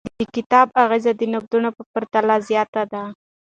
د کتاب اغیز د نقدونو په پرتله زیات دی.